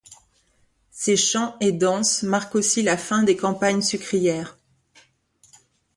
Ces chants et danses marquent aussi la fin des campagnes sucrières.